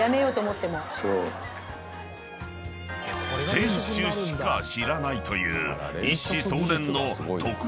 ［店主しか知らないという］